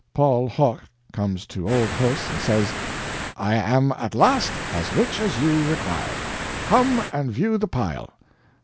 ] Paul Hoch comes to old Huss and says, "I am at last as rich as you required come and view the pile."